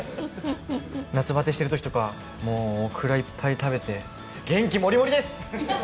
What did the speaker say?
夏バテしてる時とかもうオクラいっぱい食べて元気モリモリです！